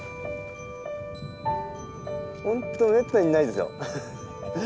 本当めったにないですよ。